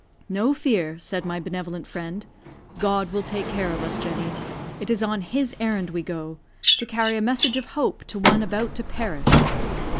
"No fear," said my benevolent friend; "God will take care of us, Jenny. It is on His errand we go; to carry a message of hope to one about to perish."